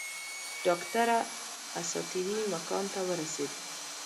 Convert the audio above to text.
ډاکټره اساطیري مکان ته ورسېده.